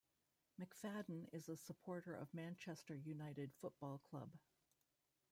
McFadden is a supporter of Manchester United Football Club.